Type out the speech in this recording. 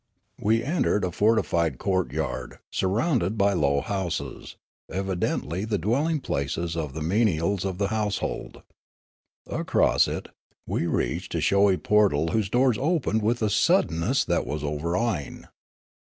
We entered a fortified courtyard, surrounded by low Foolgar 221 houses, evidently the dwelling places of the menials of the household. Across it, we reached a showy portal whose doors opened with a suddenness that was over awing.